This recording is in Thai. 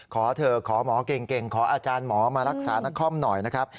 ขอเถอะขอหมอเก่งขออาจารย์หมอมารักษานครหน่อยนะครับ